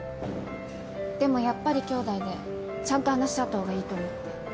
でもやっぱりきょうだいでちゃんと話し合った方がいいと思って。